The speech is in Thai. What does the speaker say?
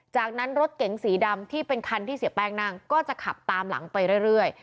จากนั้นรถเก๋งสีดำที่เป็นคันที่เสียแป้งนั่งก็จะขับตามหลังไปเรื่อย